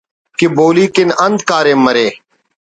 کہ بولی کن انت کاریم مرے